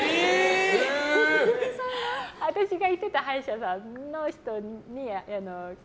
私が行ってた歯医者さんの人に。